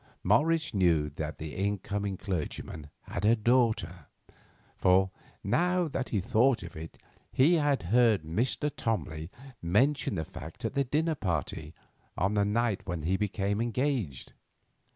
Morris knew that the incoming clergyman had a daughter, for, now that he thought of it, he had heard Mr. Tomley mention the fact at the dinner party on the night when he became engaged.